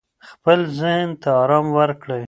خپل ذهن ته آرام ورکړئ.